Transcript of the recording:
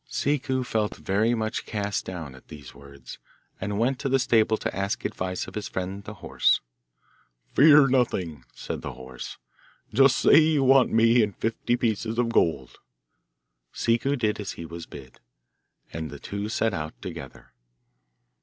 Ciccu felt very much cast, down at these words, and went to the stable to ask advice of his friend the horse. 'Fear nothing,' said the horse; 'just say you want me and fifty pieces of gold.' Ciccu did as he was bid, and the two set out together.